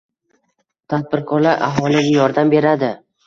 Tadbirkorlar aholiga yordam beradi